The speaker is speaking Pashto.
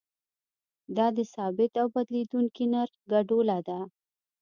دا د ثابت او بدلیدونکي نرخ ګډوله ده.